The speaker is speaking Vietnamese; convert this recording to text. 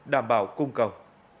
đảm bảo cung cầu